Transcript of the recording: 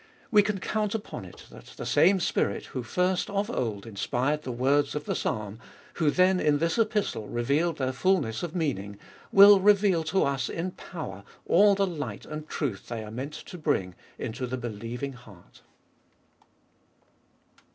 We can count upon it that the same Spirit who first of old inspired the words of the Psalm, who then in this Epistle revealed their fulness of meaning, will reveal to us in power all the light and truth they are meant to bring into the believing heart.